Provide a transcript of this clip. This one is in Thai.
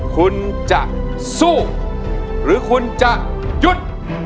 คุณจะสู้หรือคุณจะหยุด